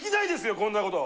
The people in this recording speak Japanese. こんなこと。